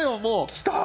来た！